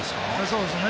そうですね。